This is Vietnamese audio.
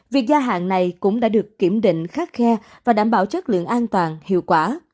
việc gia hạn này cũng đã được kiểm định khắc khe và đảm bảo chất lượng an toàn hiệu quả